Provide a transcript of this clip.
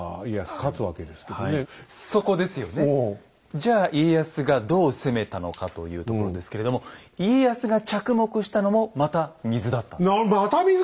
じゃあ家康がどう攻めたのかというところですけれども家康が着目したのもまた水だったんです。